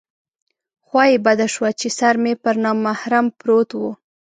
خوا یې بده شوه چې سر مې پر نامحرم پروت و.